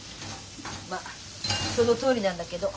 まあそのとおりなんだけど。